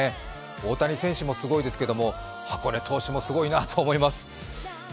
大谷選手もすごいですけれども、箱根投手もすごいなと思います。